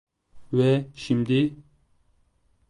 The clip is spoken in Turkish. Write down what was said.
Ve şimdi...